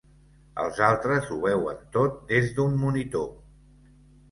Els altres ho veuen tot des d'un monitor.